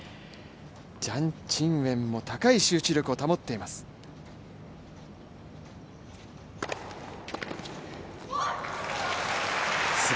ジャン・チンウェンも高い集中力を保っています。